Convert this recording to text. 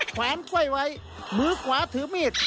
ขวานถ้วยไว้มือขวาถือมีด